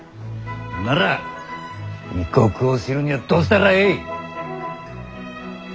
なら異国を知るにはどうしたらえい？